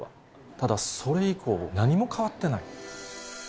ただ、それ以降、何も変わってない。